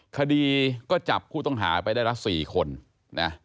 คดีก็จับผู้ต้องหาไปได้ละ๔คนนะ